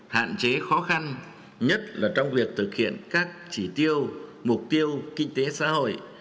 hạn chế khó khăn nhất là trong việc thực hiện các chỉ tiêu mục tiêu kinh tế xã hội